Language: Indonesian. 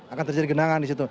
akan terjadi genangan di situ